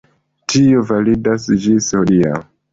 Tio validas ĝis hodiaŭ.